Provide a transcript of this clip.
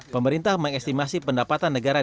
pemerintah mengestimasi pendapatan negara